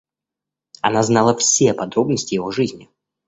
Она знала все подробности его жизни.